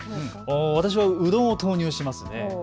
私はうどんを投入します。